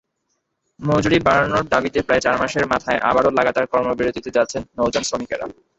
মজুরি বাড়ানোর দাবিতে প্রায় চার মাসের মাথায় আবারও লাগাতার কর্মবিরতিতে যাচ্ছেন নৌযানশ্রমিকেরা।